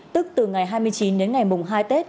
tức từ ngày hai mươi chín đến ngày mùng hai tết